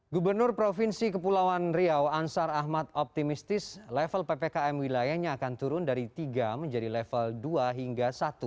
gubernur provinsi kepulauan riau ansar ahmad optimistis level ppkm wilayahnya akan turun dari tiga menjadi level dua hingga satu